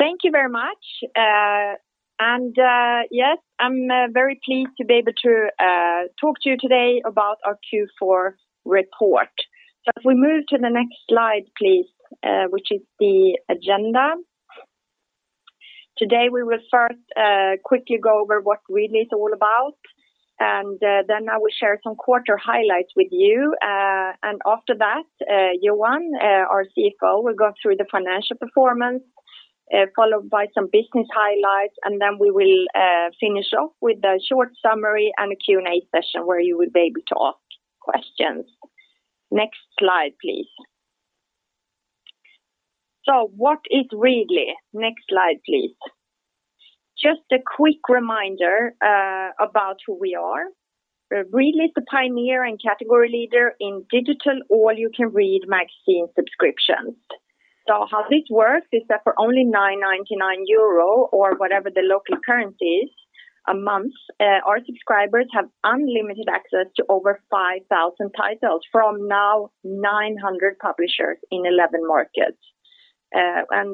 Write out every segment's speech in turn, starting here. Thank you very much. Yes, I'm very pleased to be able to talk to you today about our Q4 report. If we move to the next slide, please, which is the agenda. Today, we will first quickly go over what Readly is all about, then I will share some quarter highlights with you. After that, Johan, our CFO, will go through the financial performance, followed by some business highlights, then we will finish off with a short summary and a Q&A session where you will be able to ask questions. Next slide, please. What is Readly? Next slide, please. Just a quick reminder about who we are. Readly is a pioneer and category leader in digital, all-you-can-read magazine subscriptions. How this works is that for only 9.99 euro, or whatever the local currency is, a month, our subscribers have unlimited access to over 5,000 titles from now 900 publishers in 11 markets.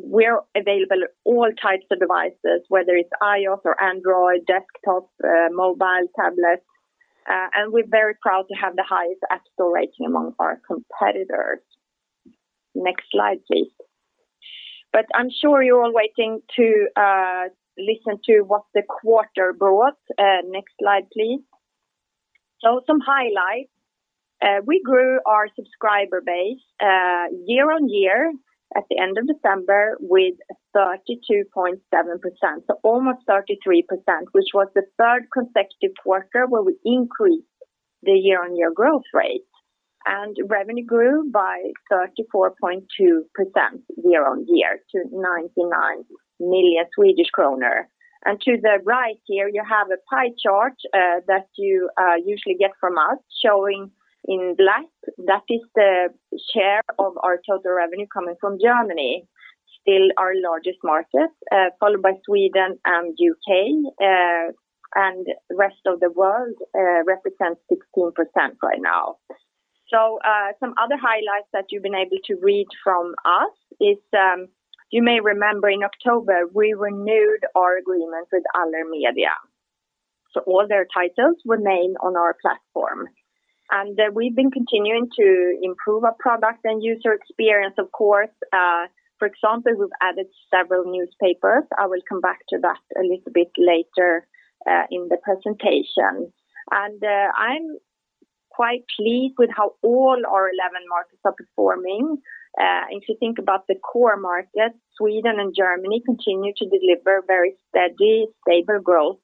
We're available all types of devices, whether it's iOS or Android, desktop, mobile, tablet and we're very proud to have the highest App Store rating among our competitors. Next slide, please. I'm sure you're all waiting to listen to what the quarter brought. Next slide, please. Some highlights. We grew our subscriber base year-on-year at the end of December with 32.7%, so almost 33%, which was the third consecutive quarter where we increased the year-on-year growth rate. Revenue grew by 34.2% year-on-year to 99 million Swedish kronor. To the right here, you have a pie chart, that you usually get from us, showing in black. That is the share of our total revenue coming from Germany, still our largest market, followed by Sweden and U.K., and the rest of the world represents 16% right now. Some other highlights that you've been able to read from us is, you may remember in October, we renewed our agreement with Aller Media. All their titles remain on our platform. We've been continuing to improve our product and user experience, of course. For example, we've added several newspapers. I will come back to that a little bit later in the presentation. I'm quite pleased with how all our 11 markets are performing. If you think about the core markets, Sweden and Germany continue to deliver very steady, stable growth,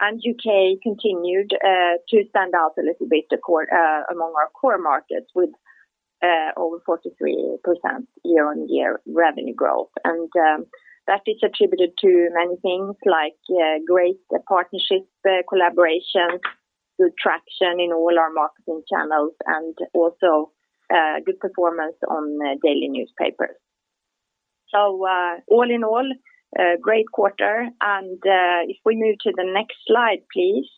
and U.K., continued to stand out a little bit among our core markets with over 43% year-on-year revenue growth. That is attributed to many things like great partnership collaborations, good traction in all our marketing channels, and also good performance on daily newspapers. All in all, great quarter. If we move to the next slide, please?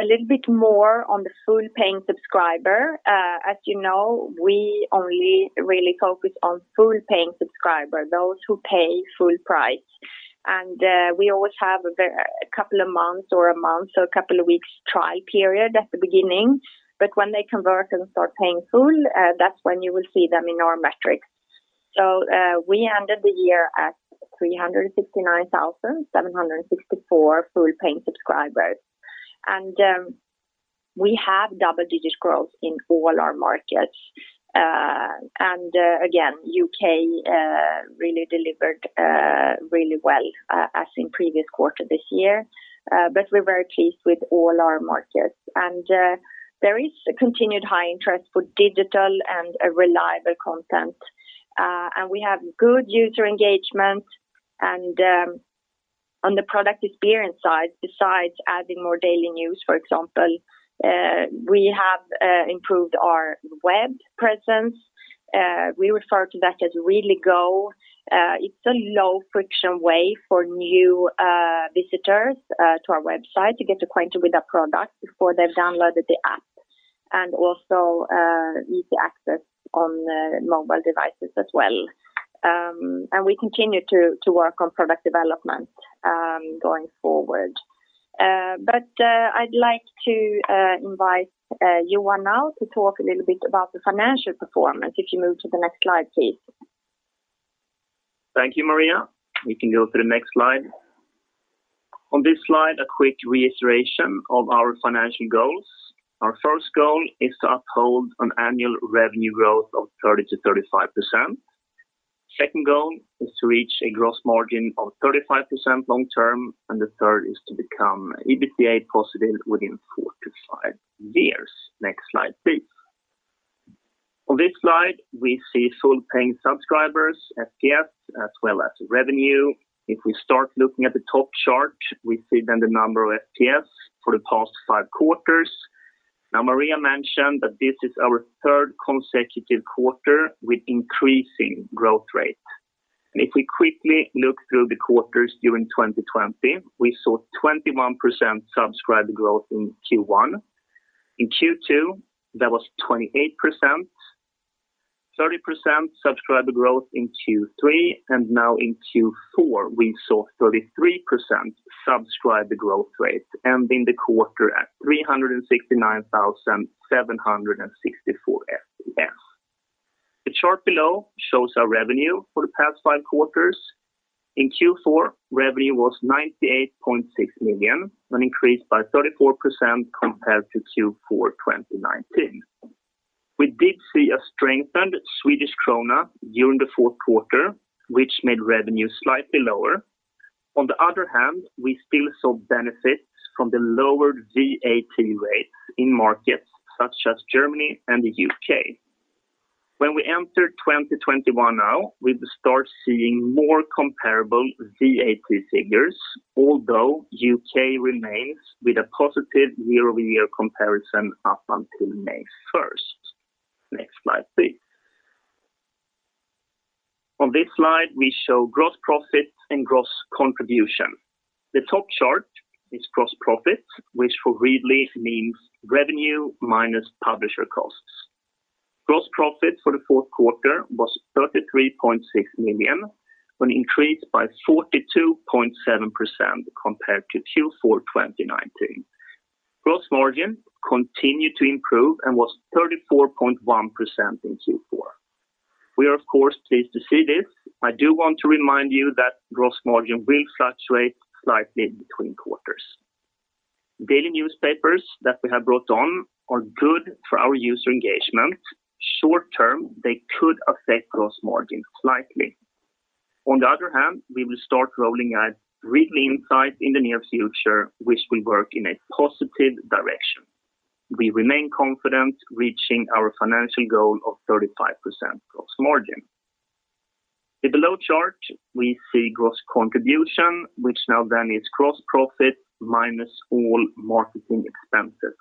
A little bit more on the full-paying subscriber. As you know, we only really focus on full-paying subscriber, those who pay full price. We always have a couple of months or a month or a couple of weeks trial period at the beginning. When they convert and start paying full, that's when you will see them in our metrics. We ended the year at 369,764 full-paying subscribers. We have double-digit growth in all our markets. Again, U.K., really delivered really well, as in previous quarter this year. We're very pleased with all our markets. There is a continued high interest for digital and reliable content. We have good user engagement and on the product experience side, besides adding more daily news, for example, we have improved our web presence. We refer to that as Readly Go. It's a low-friction way for new visitors to our website to get acquainted with the product before they've downloaded the app, and also easy access on mobile devices as well. We continue to work on product development going forward. I'd like to invite Johan now to talk a little bit about the financial performance. If you move to the next slide, please. Thank you, Maria. We can go to the next slide. On this slide, a quick reiteration of our financial goals. Our first goal is to uphold an annual revenue growth of 30%-35%. Second goal is to reach a gross margin of 35% long term, and the third is to become EBITDA positive within 4-5 years. Next slide, please. On this slide, we see full-paying subscribers, FPS, as well as revenue. If we start looking at the top chart, we see then the number of FPS for the past five quarters. Maria mentioned that this is our third consecutive quarter with increasing growth rate. If we quickly look through the quarters during 2020, we saw 21% subscriber growth in Q1. In Q2, that was 28%. 30% subscriber growth in Q3, and in Q4, we saw 33% subscriber growth rate ending the quarter at 369,764 FPS. The chart below shows our revenue for the past five quarters. In Q4, revenue was 98.6 million, an increase by 34% compared to Q4 2019. We did see a strengthened Swedish krona during the fourth quarter, which made revenue slightly lower. On the other hand, we still saw benefits from the lower VAT rates in markets such as Germany and the U.K.,. When we enter 2021 now, we will start seeing more comparable VAT figures, although U.K., remains with a positive year-over-year comparison up until May 1st. Next slide, please. On this slide, we show gross profits and gross contribution. The top chart is gross profit, which for Readly means revenue minus publisher costs. Gross profit for the fourth quarter was 33.6 million, an increase by 42.7% compared to Q4 2019. Gross margin continued to improve and was 34.1% in Q4. We are, of course, pleased to see this. I do want to remind you that gross margin will fluctuate slightly between quarters. Daily newspapers that we have brought on are good for our user engagement. Short-term, they could affect gross margin slightly. On the other hand, we will start rolling out Readly Insight in the near future, which will work in a positive direction. We remain confident reaching our financial goal of 35% gross margin. In the below chart, we see gross contribution, which now then is gross profit minus all marketing expenses.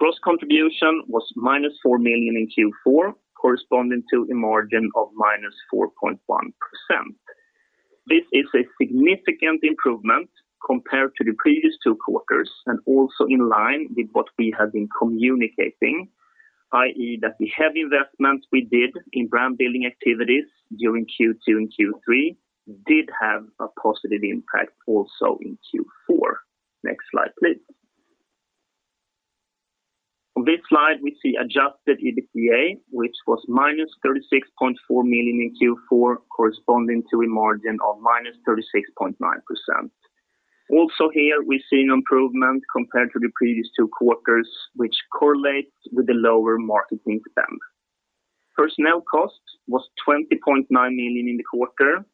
Gross contribution was -4 million in Q4, corresponding to a margin of -4.1%. This is a significant improvement compared to the previous two quarters and also in line with what we have been communicating, i.e., that the heavy investment we did in brand-building activities during Q2 and Q3 did have a positive impact also in Q4. Next slide, please. On this slide, we see adjusted EBITDA, which was -36.4 million in Q4, corresponding to a margin of minus 36.9%. Also here, we've seen improvement compared to the previous two quarters, which correlates with the lower marketing spend. Personnel cost was 20.9 million in the quarter,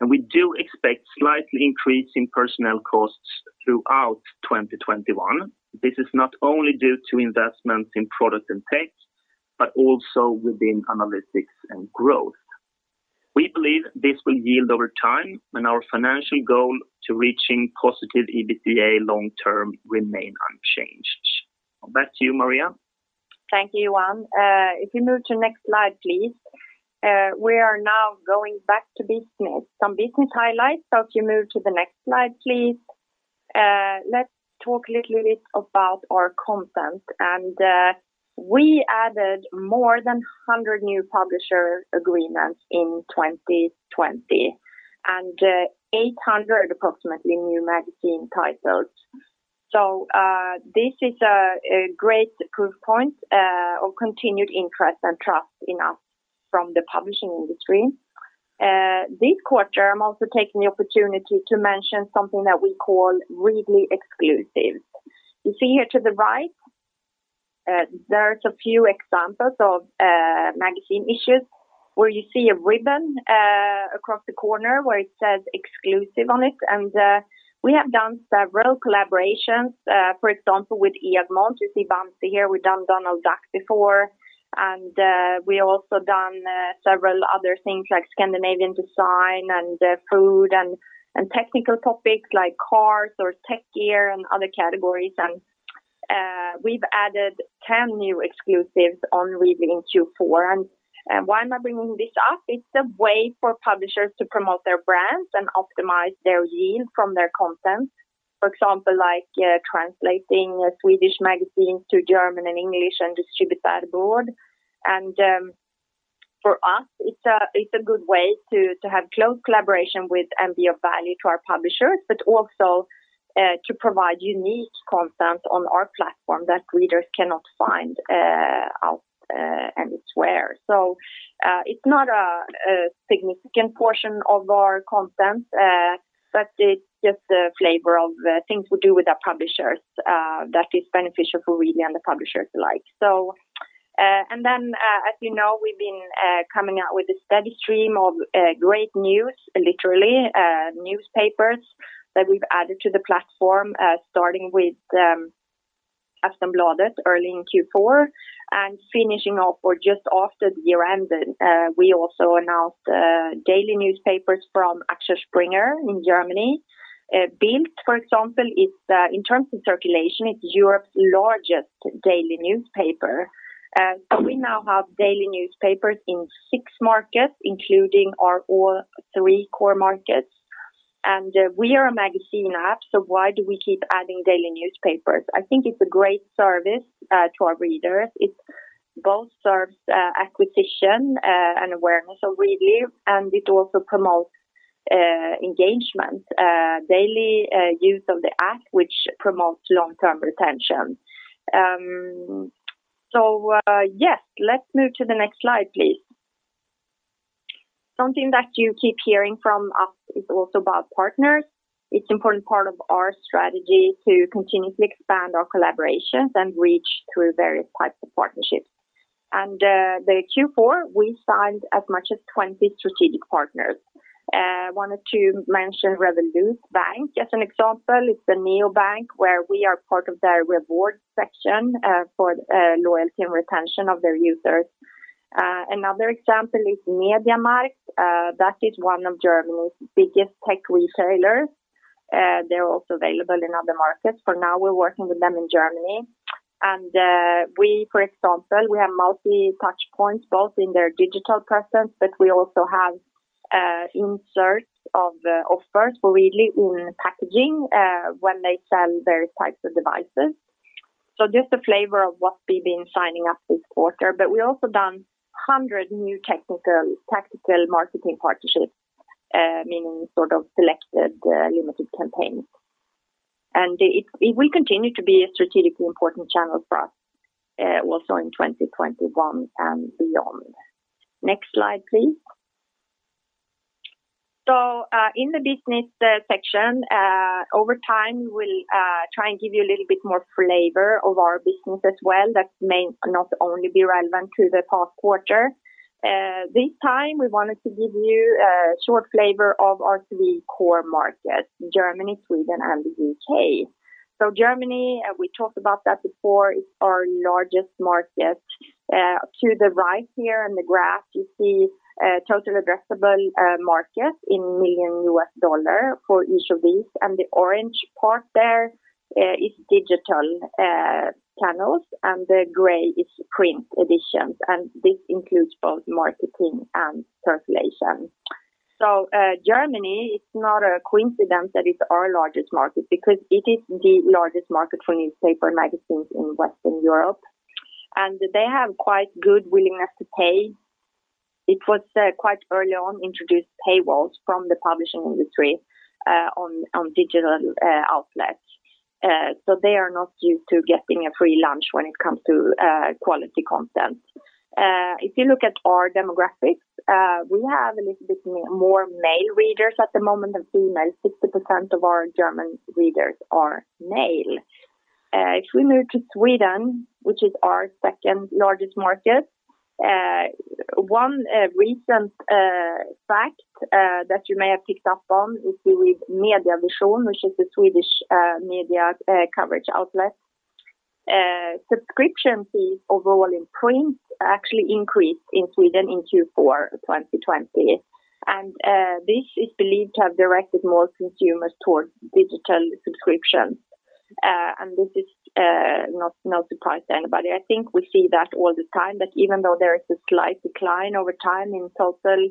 and we do expect slight increase in personnel costs throughout 2021. This is not only due to investments in product and tech, but also within analytics and growth. We believe this will yield over time and our financial goal to reaching positive EBITDA long-term remain unchanged. Back to you, Maria. Thank you, Johan. If you move to next slide, please. We are now going back to some business highlights. If you move to the next slide, please. Let's talk a little bit about our content. We added more than 100 new publisher agreements in 2020 and 800 approximately new magazine titles. This is a great proof point of continued interest and trust in us from the publishing industry. This quarter, I'm also taking the opportunity to mention something that we call Readly Exclusives. You see here to the right, there's a few examples of magazine issues where you see a ribbon across the corner where it says exclusive on it. We have done several collaborations, for example, with Egmont. You see Bamse here. We've done Donald Duck before, and we also done several other things like Scandinavian design and food and technical topics like cars or tech gear and other categories. We've added 10 new Readly Exclusives on Readly in Q4. Why am I bringing this up? It's a way for publishers to promote their brands and optimize their yield from their content. For example, translating Swedish magazines to German and English and distribute that abroad. For us, it's a good way to have close collaboration with and be of value to our publishers, but also to provide unique content on our platform that readers cannot find out anywhere. It's not a significant portion of our content, but it's just a flavor of things we do with our publishers that is beneficial for Readly and the publishers alike. As you know, we've been coming out with a steady stream of great news, literally, newspapers that we've added to the platform, starting with Aftonbladet early in Q4 and finishing off or just after the year ended, we also announced daily newspapers from Axel Springer in Germany. Bild, for example, in terms of circulation, it's Europe's largest daily newspaper. We now have daily newspapers in six markets, including our all three core markets. We are a magazine app, why do we keep adding daily newspapers? I think it's a great service to our readers. It both serves acquisition and awareness of Readly, and it also promotes engagement, daily use of the app, which promotes long-term retention. Let's move to the next slide, please. Something that you keep hearing from us is also about partners. It's important part of our strategy to continuously expand our collaborations and reach through various types of partnerships. The Q4, we signed as much as 20 strategic partners. Wanted to mention Revolut Bank as an example. It's the neobank where we are part of their reward section for loyalty and retention of their users. Another example is MediaMarkt. That is one of Germany's biggest tech retailers. They're also available in other markets. For now, we're working with them in Germany. We, for example, we have multi-touch points, both in their digital presence, but we also have inserts of offers for Readly in packaging when they sell various types of devices. Just a flavor of what we've been signing up this quarter, but we also done 100 new tactical marketing partnerships, meaning sort of selected limited campaigns. It will continue to be a strategically important channel for us also in 2021 and beyond. Next slide, please. In the business section, over time, we'll try and give you a little bit more flavor of our business as well. That may not only be relevant to the past quarter. This time, we wanted to give you a short flavor of our three core markets, Germany, Sweden, and the U.K., Germany, we talked about that before, it's our largest market. To the right here in the graph, you see total addressable market in million US dollar for each of these, and the orange part there is digital channels, and the gray is print editions, and this includes both marketing and circulation. Germany, it's not a coincidence that it's our largest market because it is the largest market for newspaper and magazines in Western Europe. They have quite good willingness to pay. It was quite early on introduced paywalls from the publishing industry on digital outlets. They are not used to getting a free lunch when it comes to quality content. If you look at our demographics, we have a little bit more male readers at the moment than female. 60% of our German readers are male. If we move to Sweden, which is our second-largest market, one recent fact that you may have picked up on is with Mediavision, which is the Swedish media coverage outlet. Subscription fees overall in print actually increased in Sweden in Q4 2020. This is believed to have directed more consumers towards digital subscriptions. This is no surprise to anybody. I think we see that all the time, that even though there is a slight decline over time in total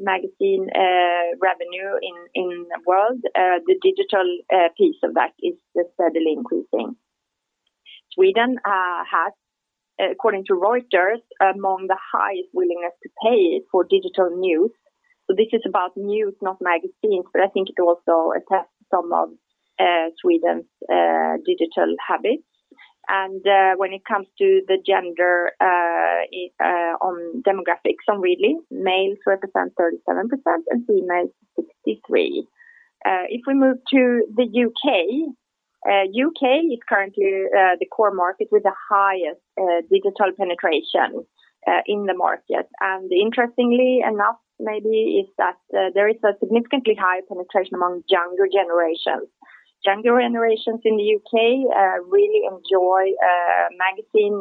magazine revenue in the world, the digital piece of that is steadily increasing. Sweden has, according to Reuters, among the highest willingness to pay for digital news. This is about news, not magazines, but I think it also attests some of Sweden's digital habits. When it comes to the gender on demographics on Readly, males represent 37% and females 63%. If we move to the U.K., the U.K., is currently the core market with the highest digital penetration in the market. Interestingly enough, maybe, is that there is a significantly high penetration among younger generations. Younger generations in the U.K., really enjoy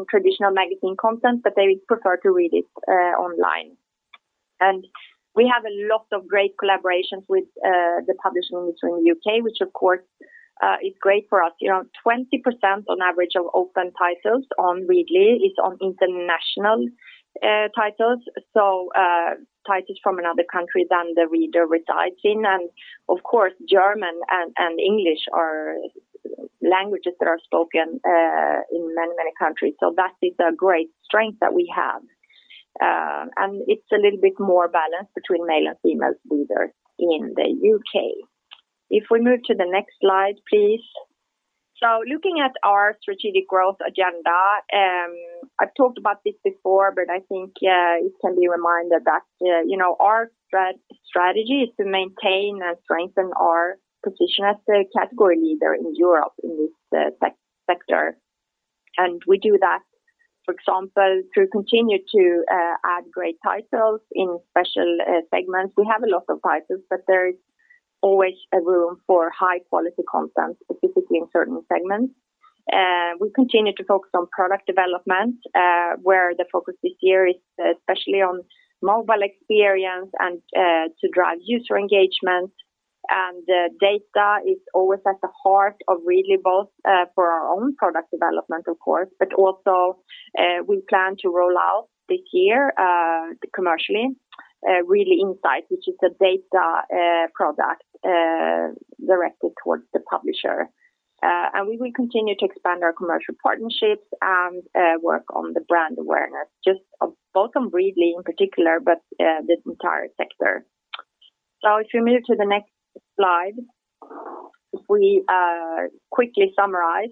traditional magazine content, but they prefer to read it online. We have a lot of great collaborations with the publishing industry in the U.K., which of course is great for us. Around 20% on average of open titles on Readly is on international titles, so titles from another country than the reader resides in. Of course, German and English are languages that are spoken in many, many countries. That is a great strength that we have. It's a little bit more balanced between male and female readers in the U.K., If we move to the next slide, please. Looking at our strategic growth agenda, I've talked about this before, but I think it can be reminded that our strategy is to maintain and strengthen our position as the category leader in Europe in this sector. We do that, for example, through continue to add great titles in special segments. We have a lot of titles, but there is always a room for high-quality content, specifically in certain segments. We continue to focus on product development, where the focus this year is especially on mobile experience and to drive user engagement. Data is always at the heart of Readly, both for our own product development, of course, but also we plan to roll out this year commercially Readly Insights, which is a data product directed towards the publisher. We will continue to expand our commercial partnerships and work on the brand awareness, just of Readly in particular, but this entire sector. If we move to the next slide, if we quickly summarize.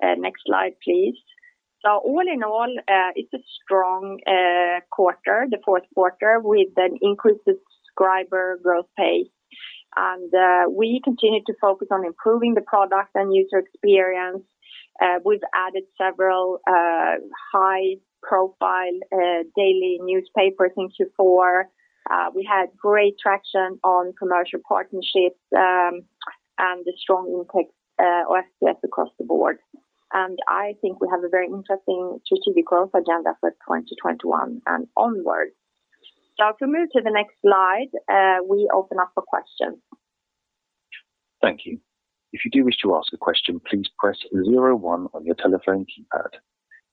Next slide, please. All in all, it's a strong quarter, the fourth quarter, with an increased subscriber growth pace. We continue to focus on improving the product and user experience. We've added several high-profile daily newspapers in Q4. We had great traction on commercial partnerships, and a strong intake of FPS across the board. I think we have a very interesting strategic growth agenda for 2021 and onwards. If we move to the next slide, we open up for questions. Thank you. If you do wish to ask a question, please press zero one on your telephone keypad.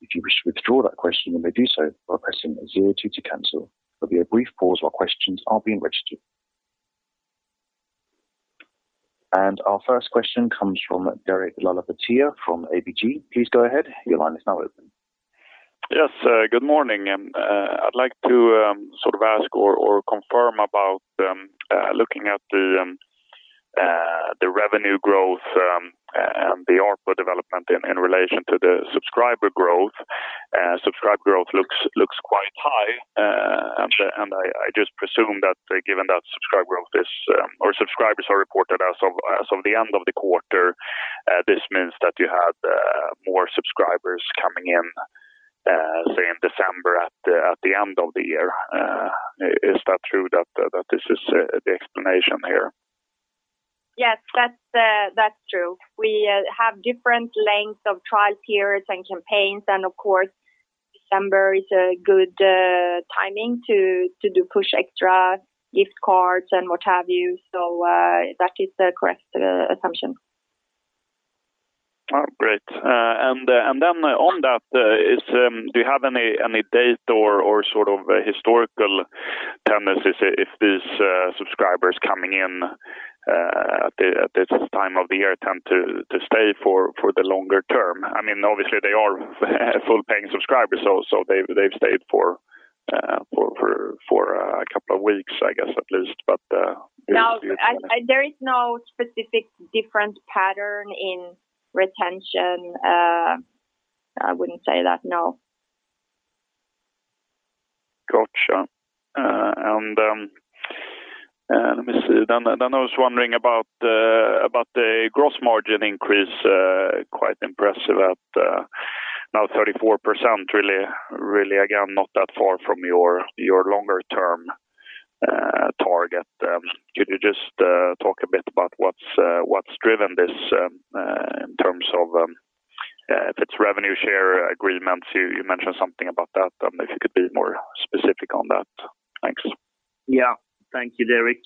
If you wish to withdraw that question, you may do so by pressing zero two to cancel. There'll be a brief pause while questions are being registered. Our first question comes from Derek Laliberté from ABG. Please go ahead. Your line is now open. Yes, good morning. I'd like to ask or confirm about looking at the revenue growth, and the ARPU development in relation to the subscriber growth. Subscriber growth looks quite high. Got you. I just presume that given that subscribers are reported as of the end of the quarter, this means that you had more subscribers coming in, say, in December at the end of the year. Is that true that this is the explanation here? Yes, that's true. We have different lengths of trial periods and campaigns, and of course, December is a good timing to do push extra gift cards and what have you. That is the correct assumption. Oh, great. Then on that, do you have any date or historical tendencies if these subscribers coming in at this time of the year tend to stay for the longer term? I mean, obviously they are Full-Paying Subscribers, so they've stayed for a couple of weeks, I guess, at least. No, there is no specific different pattern in retention. I wouldn't say that, no. Got you. Let me see. I was wondering about the gross margin increase. Quite impressive at now 34%. Really again, not that far from your longer-term target. Could you just talk a bit about what's driven this in terms of if it's revenue share agreements? You mentioned something about that. If you could be more specific on that. Thanks. Yeah. Thank you, Derek.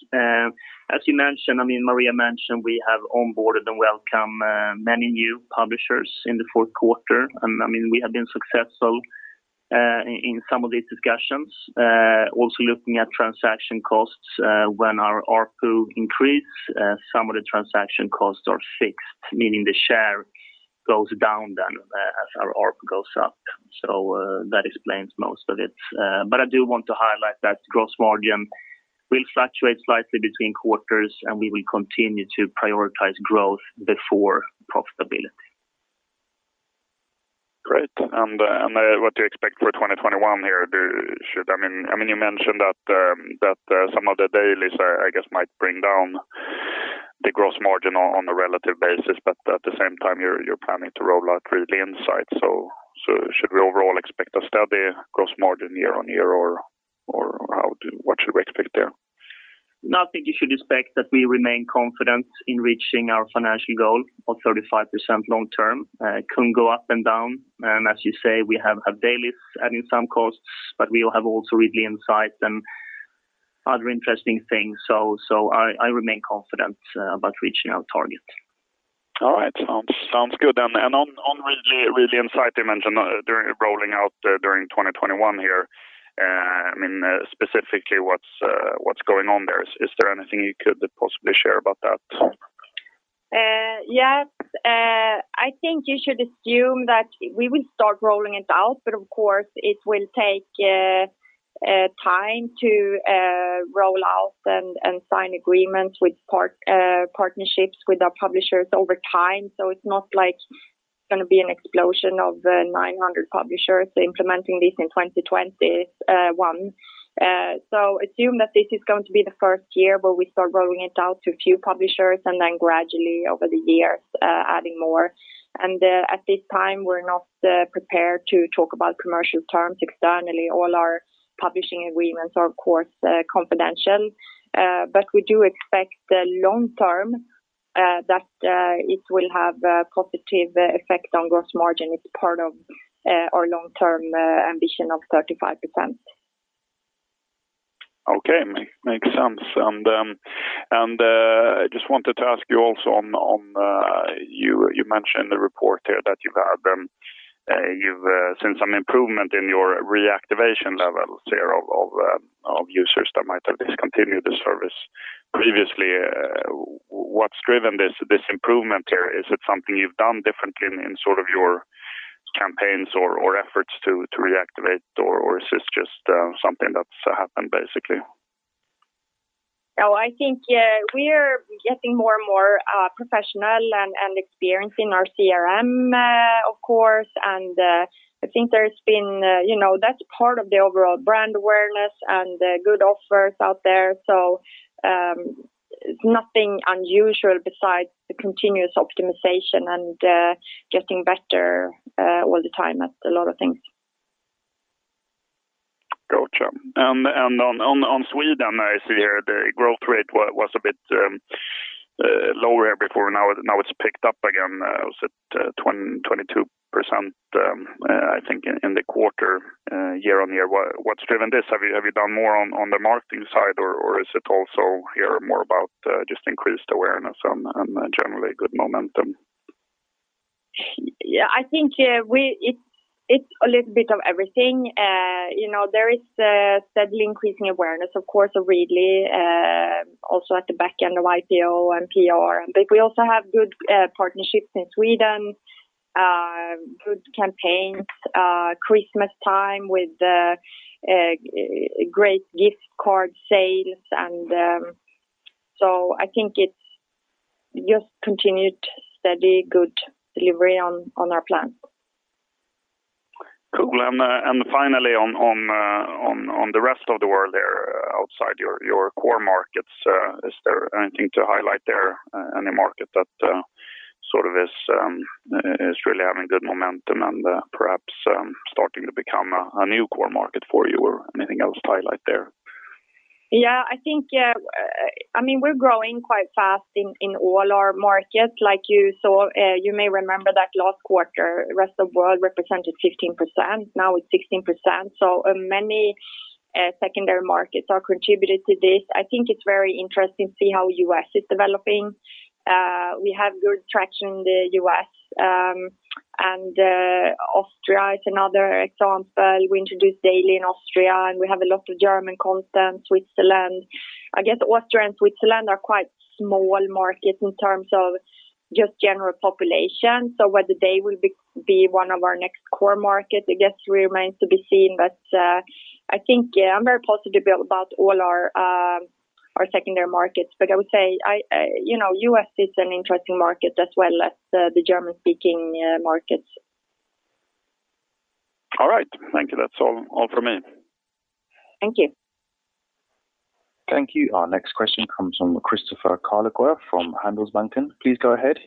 As Maria mentioned, we have onboarded and welcomed many new publishers in the fourth quarter. We have been successful in some of these discussions. Also looking at transaction costs, when our ARPU increased, some of the transaction costs are fixed, meaning the share goes down then as our ARPU goes up. That explains most of it. I do want to highlight that gross margin will fluctuate slightly between quarters, and we will continue to prioritize growth before profitability. Great. What do you expect for 2021 here? You mentioned that some of the dailies I guess might bring down the gross margin on a relative basis, but at the same time, you're planning to roll out Readly Insight. Should we overall expect a steady gross margin year-on-year, or what should we expect there? I think you should expect that we remain confident in reaching our financial goal of 35% long term. It can go up and down. As you say, we have dailies adding some costs, but we'll have also Readly Insights and other interesting things. I remain confident about reaching our target. All right. Sounds good. On Readly Insight, you mentioned they're rolling out during 2021 here. Specifically, what's going on there? Is there anything you could possibly share about that? Yes. I think you should assume that we will start rolling it out, but of course, it will take time to roll out and sign agreements with partnerships with our publishers over time. It's not like it's going to be an explosion of 900 publishers implementing this in 2021. Assume that this is going to be the first year where we start rolling it out to a few publishers and then gradually over the years, adding more. At this time, we're not prepared to talk about commercial terms externally. All our publishing agreements are, of course, confidential. We do expect long term that it will have a positive effect on gross margin. It's part of our long-term ambition of 35%. Okay, makes sense. I just wanted to ask you also on, You've seen some improvement in your reactivation levels here of users that might have discontinued the service previously. What's driven this improvement here? Is it something you've done differently in your campaigns or efforts to reactivate, or is this just something that's happened, basically? No, I think we're getting more and more professional and experienced in our CRM, of course. I think that's part of the overall brand awareness and the good offers out there. Nothing unusual besides the continuous optimization and getting better all the time at a lot of things. Gotcha. On Sweden, I see here the growth rate was a bit lower before. Now it's picked up again. It was at 22%, I think, in the quarter, year-on-year. What's driven this? Have you done more on the marketing side, or is it also here more about just increased awareness and generally good momentum? Yeah, I think it's a little bit of everything. There is a steadily increasing awareness, of course, of Readly, also at the back end of IPO and PR. We also have good partnerships in Sweden, good campaigns, Christmas time with great gift card sales, and so I think it's just continued steady, good delivery on our plan. Cool. Finally, on the rest of the world there outside your core markets, is there anything to highlight there? Any market that sort of is really having good momentum and perhaps starting to become a new core market for you or anything else to highlight there? Yeah, we're growing quite fast in all our markets. You may remember that last quarter, rest of world represented 15%. Now it's 16%. Many secondary markets are contributed to this. I think it's very interesting to see how U.S., is developing. We have good traction in the U.S., and Austria is another example. We introduced Readly in Austria, and we have a lot of German content, Switzerland. I guess Austria and Switzerland are quite small markets in terms of just general population. Whether they will be one of our next core markets, I guess remains to be seen. I think I'm very positive about all our secondary markets, but I would say, U.S., is an interesting market as well as the German-speaking markets. All right. Thank you. That's all from me. Thank you. Thank you. Our next question comes from Christopher Carvell from Handelsbanken. Please go ahead.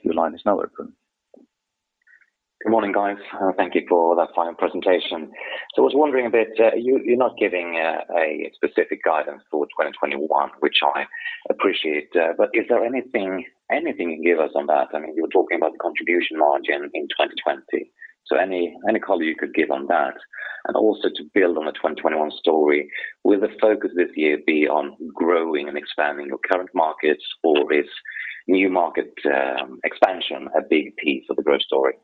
Good morning, guys. Thank you for that fine presentation. I was wondering a bit, you're not giving a specific guidance for 2021, which I appreciate. Is there anything you can give us on that? You were talking about the contribution margin in 2020. Any color you could give on that, and also to build on the 2021 story. Will the focus this year be on growing and expanding your current markets, or is new market expansion a big piece of the growth story?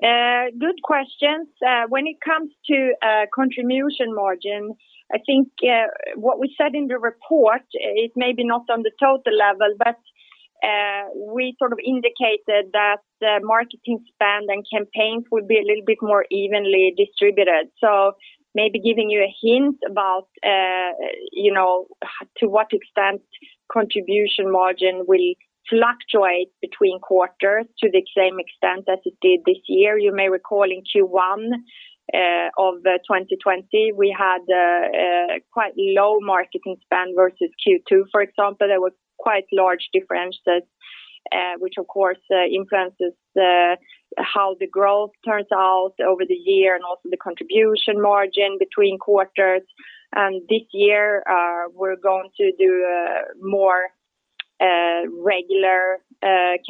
Good questions. When it comes to contribution margin, I think what we said in the report is maybe not on the total level, but we sort of indicated that marketing spend and campaigns would be a little bit more evenly distributed. Maybe giving you a hint about to what extent contribution margin will fluctuate between quarters to the same extent as it did this year. You may recall in Q1 of 2020, we had quite low marketing spend versus Q2, for example. There was quite large differences, which of course influences how the growth turns out over the year and also the contribution margin between quarters. This year, we're going to do a more regular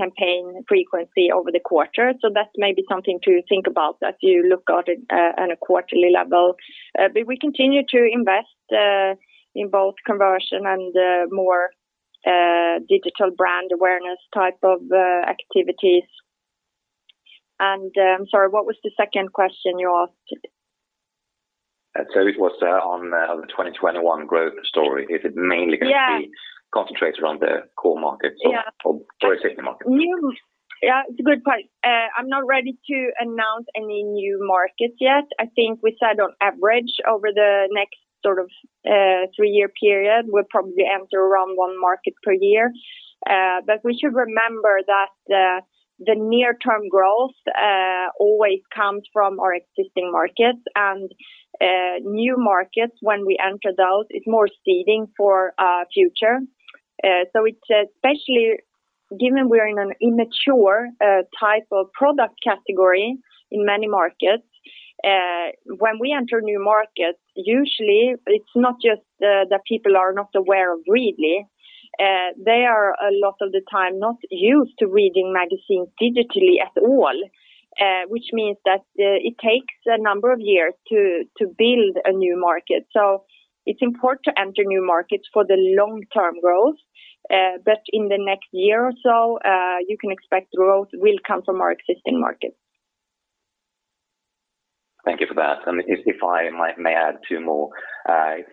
campaign frequency over the quarter. That's maybe something to think about as you look at it on a quarterly level. We continue to invest in both conversion and more digital brand awareness type of activities. I'm sorry, what was the second question you asked? It was on the 2021 growth story. Is it mainly going to be? Yeah concentrated on the core markets or existing markets? Yeah, it's a good point. I'm not ready to announce any new markets yet. I think we said on average, over the next sort of three-year period, we'll probably enter around one market per year. We should remember that the near-term growth always comes from our existing markets, and new markets, when we enter those, it's more seeding for our future. Especially given we're in an immature type of product category in many markets, when we enter new markets, usually it's not just that people are not aware of Readly. They are a lot of the time not used to reading magazines digitally at all, which means that it takes a number of years to build a new market. It's important to enter new markets for the long-term growth. In the next year or so, you can expect growth will come from our existing markets. Thank you for that. If I may add two more.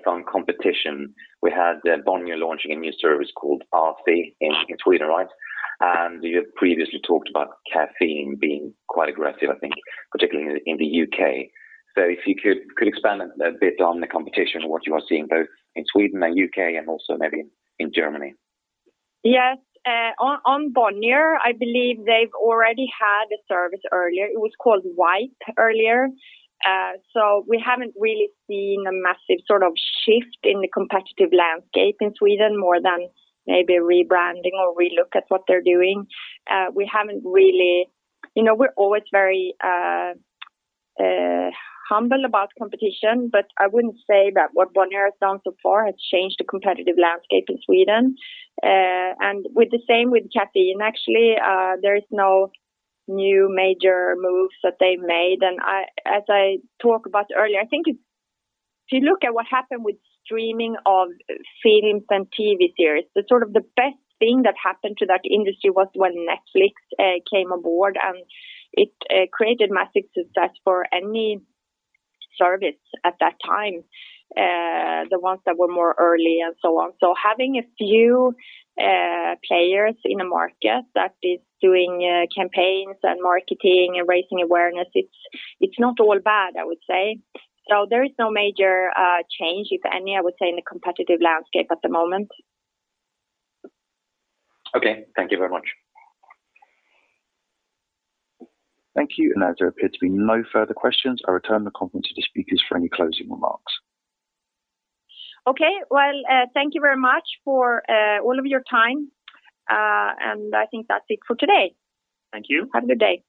On competition, we had Bonnier launching a new service called Arcy in Sweden, right? You had previously talked about Cafeyn being quite aggressive, I think, particularly in the U.K. If you could expand a bit on the competition and what you are seeing both in Sweden and U.K., and also maybe in Germany. Yes. On Bonnier, I believe they've already had a service earlier. It was called Wype earlier. We haven't really seen a massive sort of shift in the competitive landscape in Sweden, more than maybe rebranding or relook at what they're doing. We're always very humble about competition, but I wouldn't say that what Bonnier has done so far has changed the competitive landscape in Sweden. With the same with Cafeyn, actually, there is no new major moves that they've made. As I talk about earlier, I think if you look at what happened with streaming of films and TV series, the sort of the best thing that happened to that industry was when Netflix came aboard, and it created massive success for any service at that time. The ones that were more early and so on. Having a few players in a market that is doing campaigns and marketing and raising awareness, it is not all bad, I would say. There is no major change, if any, I would say, in the competitive landscape at the moment. Okay. Thank you very much. Thank you. As there appear to be no further questions, I return the conference to the speakers for any closing remarks. Okay. Well, thank you very much for all of your time. I think that's it for today. Thank you. Have a good day.